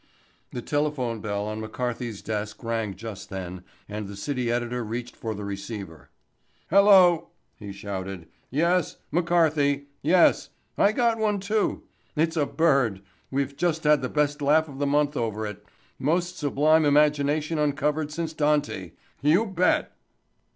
The telephone bell on McCarthy's desk rang just then and the city editor reached for the receiver. "Hello," he shouted. "Yes—McCarthy—yes, I got one, too—it's a bird—we've just had the best laugh of the month over it—most sublime imagination uncovered since Dante—you bet!"